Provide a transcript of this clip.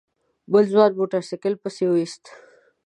بل ځوان موټر سايکل پسې ويست.